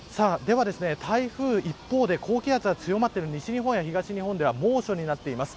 台風の一方で、高気圧が強まってる西日本や東日本では猛暑になっています。